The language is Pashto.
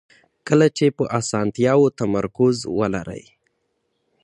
کله چې په اسانتیاوو تمرکز ولرئ.